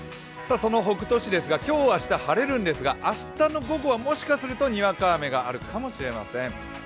その北杜市ですが、今日、明日、晴れるんですが明日の午後はもしかしたらにわか雨があるかもしれません。